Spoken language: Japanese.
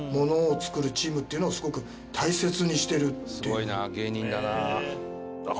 「すごいな芸人だな」